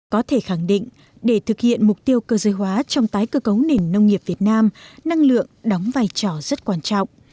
có thể khẳng định để thực hiện mục tiêu cơ giới hóa trong tái cơ cấu nền nông nghiệp việt nam năng lượng đóng vai trò rất quan trọng